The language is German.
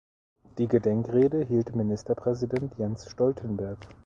Die Gedenkrede hielt Ministerpräsident Jens Stoltenberg.